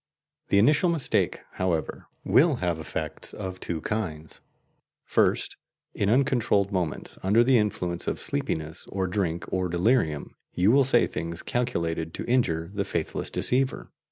The initial mistake, however, will have effects of two kinds. First, in uncontrolled moments, under the influence of sleepiness or drink or delirium, you will say things calculated to injure the faithless deceiver.